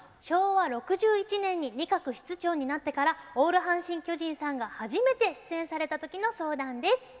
昭和６１年に仁鶴室長になってからオール阪神・巨人さんが初めて出演された時の相談です。